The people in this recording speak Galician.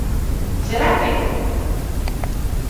¿Será quen?